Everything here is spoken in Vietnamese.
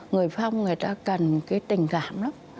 người phong người ta cần cái tình cảm lắm